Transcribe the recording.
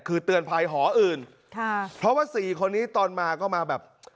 คือเตือนภัยหออื่นค่ะเพราะว่าสี่คนนี้ตอนมาก็มาแบบ